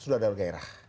sudah ada gairah